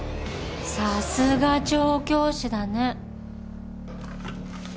さすが調教師だね